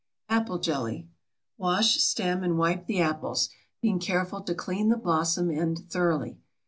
APPLE JELLY. Wash, stem, and wipe the apples, being careful to clean the blossom end thoroughly.